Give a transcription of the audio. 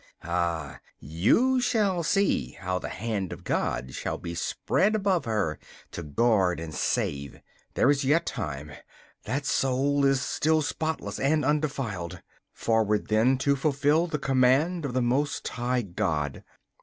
Ah, you shall see how the hand of God shall be spread above her to guard and save. There is yet time that soul is still spotless and undefiled. Forward, then, to fulfil the command of the Most High God!